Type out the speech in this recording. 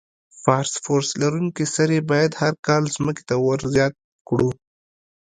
فاسفورس لرونکي سرې باید هر کال ځمکې ته ور زیات کړو.